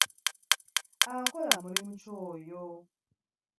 Akola mulimu ki oyo?